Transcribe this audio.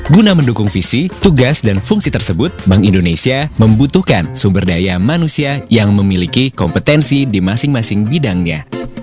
guna mendukung visi tugas dan fungsi tersebut bank indonesia membutuhkan sumber daya manusia yang memiliki kompetensi di masing masing bidangnya